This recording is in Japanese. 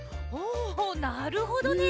おなるほどね。